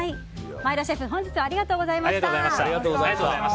前田シェフ本日はありがとうございました。